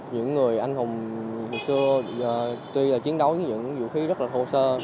những người anh hùng xưa tuy là chiến đấu với những vũ khí rất là thô sơ